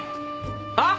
あっ！